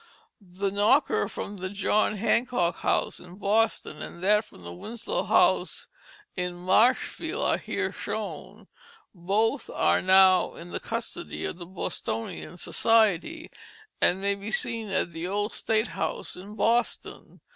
The knocker from the John Hancock House in Boston and that from the Winslow House in Marshfield are here shown; both are now in the custody of the Bostonian Society, and may be seen at the Old State House in Boston.